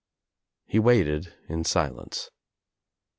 He waited in silence.